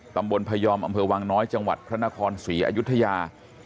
พยอมอำเภอวังน้อยจังหวัดพระนครศรีอยุธยา